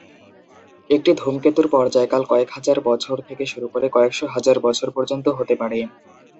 একটি ধূমকেতুর পর্যায়কাল কয়েক বছর থেকে শুরু করে কয়েকশ’ হাজার বছর পর্যন্ত হতে পারে।